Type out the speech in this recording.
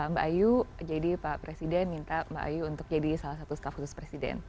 mbak ayu jadi pak presiden minta mbak ayu untuk jadi salah satu staf khusus presiden